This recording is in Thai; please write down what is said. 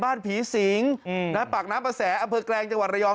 บ้านผีสิงปากน้ำอาแสอำเภอแกรงจังหวัดรายอง